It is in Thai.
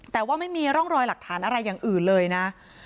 แต่ว่าไม่มีร่องรอยหลักฐานอะไรอย่างอื่นเลยนะ